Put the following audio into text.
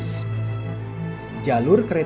jalur kereta sejarah yang berpengaruh di jawa